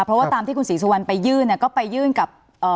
เพราะว่าตามที่คุณศรีสุวรรณไปยื่นเนี่ยก็ไปยื่นกับ